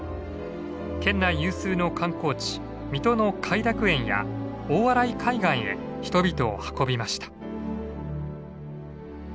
県内有数の観光地水戸の偕楽園や大洗海岸へ人々を運びました。